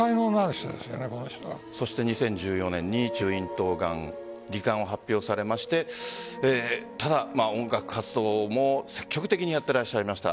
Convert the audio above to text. ２０１４年に中咽頭がん罹患を発表されましてただ、音楽活動も積極的にやってらっしゃいました。